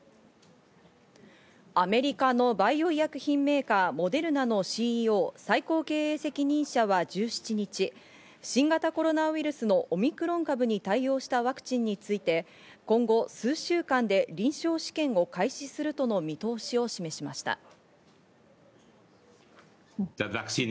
アメリカのバイオ医薬品メーカー、モデルナのＣＥＯ＝最高経営責任者は１７日、新型コロナウイルスのオミクロン株に対応したワクチンについて、今後数週間で臨床試験を開始するとの見通しを示しました。